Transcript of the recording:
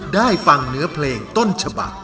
ได้ฟังเนื้อเพลงต้นฉบัก